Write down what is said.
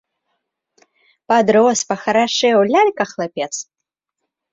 Падрос, пахарашэў, лялька хлапец.